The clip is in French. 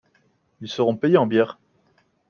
Ils seront payés en bières.